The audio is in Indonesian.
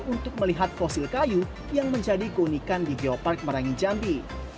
untuk melihat fosil kayu yang menjadi keunikan di geopark merangin jambi